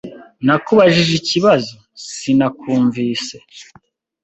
"Nakubajije ikibazo." "Sinakumvise."